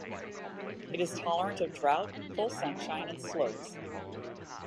It is tolerant of drought, full sunshine and slopes.